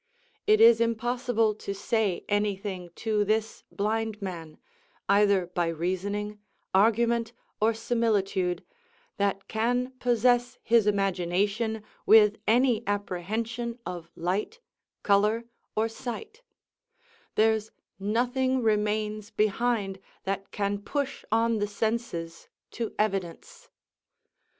It is impossible to say any thing to this blind man, either by reasoning, argument, or similitude, that can possess his imagination with any apprehension of light, colour, or sight; there's nothing remains behind that can push on the senses to evidence.